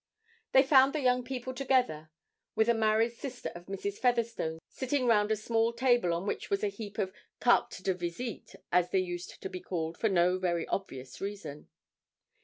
They found the young people, with a married sister of Mrs. Featherstone, sitting round a small table on which was a heap of cartes de visite, as they used to be called for no very obvious reason.